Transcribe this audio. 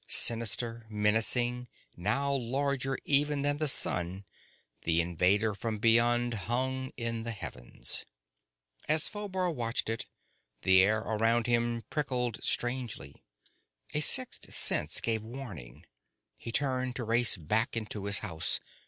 Sinister, menacing, now larger even than the sun, the invader from beyond hung in the heavens. As Phobar watched it, the air around him prickled strangely. A sixth sense gave warning. He turned to race back into his house.